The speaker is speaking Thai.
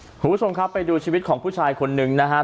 คุณผู้ชมครับไปดูชีวิตของผู้ชายคนหนึ่งนะครับ